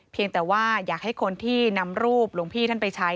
แต่ว่าอยากให้คนที่นำรูปหลวงพี่ท่านไปใช้